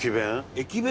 駅弁？